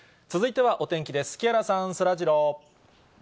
続いてはお天気です。